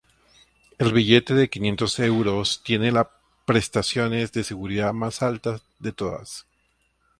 El billete de quinientos euros tiene las prestaciones de seguridad más altas de todas.